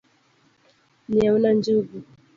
Nyiewna njungu.